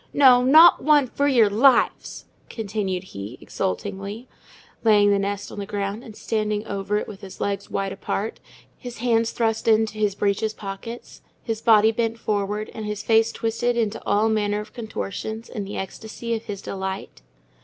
no, not one, for your lives!" continued he, exultingly; laying the nest on the ground, and standing over it with his legs wide apart, his hands thrust into his breeches pockets, his body bent forward, and his face twisted into all manner of contortions in the ecstasy of his delight.